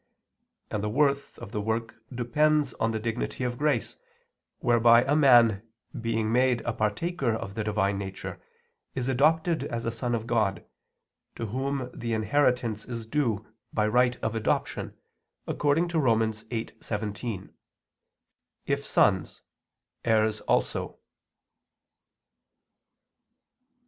And the worth of the work depends on the dignity of grace, whereby a man, being made a partaker of the Divine Nature, is adopted as a son of God, to whom the inheritance is due by right of adoption, according to Rom. 8:17: "If sons, heirs also."